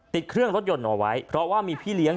ติดเครื่องรถยนต์เอาไว้เพราะว่ามีพี่เลี้ยง